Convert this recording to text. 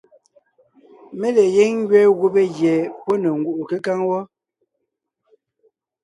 Mé le gíŋ ngẅeen gubé gie pɔ́ ne ngúʼu kékáŋ wɔ́.